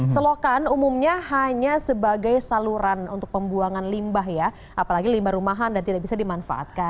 selokan umumnya hanya sebagai saluran untuk pembuangan limbah ya apalagi limbah rumahan dan tidak bisa dimanfaatkan